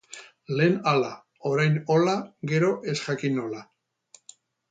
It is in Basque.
Lehen hala, orain hola, gero ez jakin nola.